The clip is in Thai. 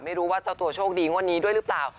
ไม่รู้ว่าเจ้าตัวโชคดีงวดนี้ด้วยหรือเปล่า